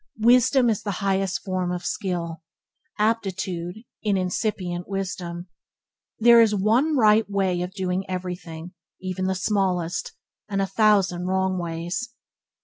Wisdom is the highest form of skill. Aptitude in incipient wisdom. There is one right way of doing everything, even the smallest, and a thousand wrong ways.